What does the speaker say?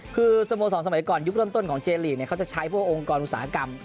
คือสโมสรสมัยก่อนยุคเริ่มต้นของเจลีกเขาจะใช้พวกองค์กรอุตสาหกรรม